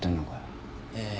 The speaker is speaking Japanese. ええ。